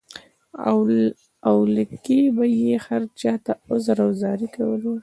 اوله کې به یې هر چاته عذر او زارۍ کولې.